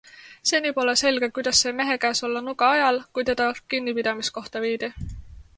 Seni pole selge, kuidas sai mehe käes olla nuga ajal, kui teda kinnipidamiskohta viidi.